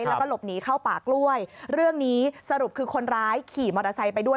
แล้วก็หลบหนีเข้าป่ากล้วยเรื่องนี้สรุปคือคนร้ายขี่มอเตอร์ไซค์ไปด้วย